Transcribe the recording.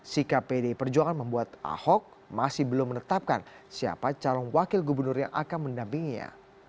sikap pdi perjuangan membuat ahok masih belum menetapkan siapa calon wakil gubernur yang akan mendampinginya